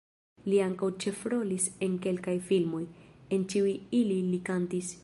Li ankaŭ ĉefrolis en kelkaj filmoj, en ĉiuj ili li kantis.